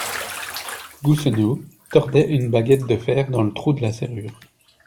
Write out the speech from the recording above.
Gousenot tordait une baguette de fer dans le trou de la serrure.